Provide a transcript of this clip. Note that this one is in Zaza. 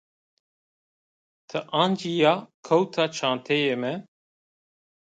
Ti ancîya kewta çenteyê mi?